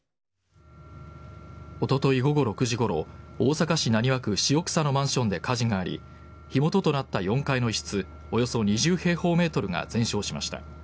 おととい午後６時ごろ、大阪市浪速区塩草のマンションで火事があり、火元となった４階の一室、およそ２０平方メートルが全焼しました。